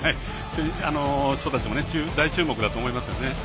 そういう人たちも大注目だと思いますね。